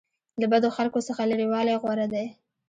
له بدو خلکو څخه لرې والی غوره دی.